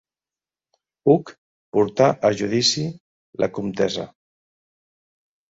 Hug portà a judici la comtessa.